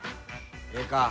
ええか。